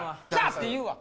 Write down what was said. って言うわ。